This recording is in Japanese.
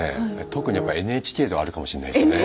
特にやっぱりＮＨＫではあるかもしんないですね。